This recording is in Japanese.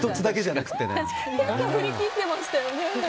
結構振り切ってましたよね。